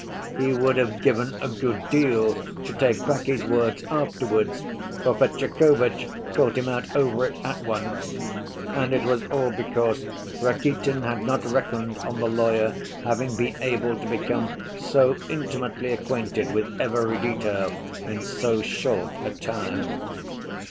He would have given a good deal to take back his words afterwards, for Fetyukovitch caught him out over it at once. And it was all because Rakitin had not reckoned on the lawyer having been able to become so intimately acquainted with every detail in so short a time.